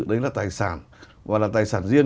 đấy là tài sản và là tài sản riêng